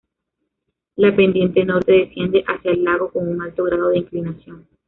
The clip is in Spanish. La pendiente norte desciende hacia el lago con un alto grado de inclinación.